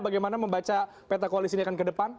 bagaimana membaca peta koalisi ini akan ke depan